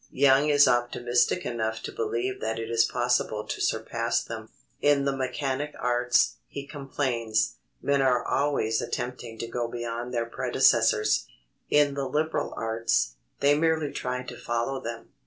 Young is optimistic enough to believe that it is possible to surpass them. In the mechanic arts, he complains, men are always attempting to go beyond their predecessors; in the liberal arts, they merely try to follow them.